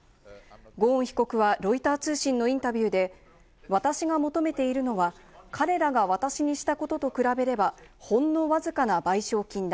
ゴーン被告はロイター通信のインタビューで私が求めているのは、彼らが私にしたことと比べれば、ほんのわずかな賠償金だ。